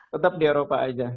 tetap di eropa aja